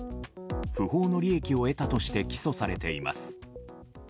不法の利益を得たとして起訴されています。